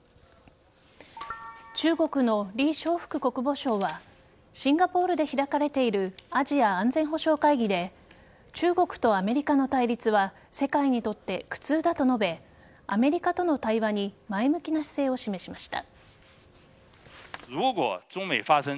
中国のリ・ショウフク国防相はシンガポールで開かれているアジア安全保障会議で中国とアメリカの対立は世界にとって苦痛だと述べアメリカとの対話に前向きな姿勢を示しました。